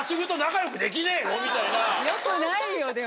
よくないよでも。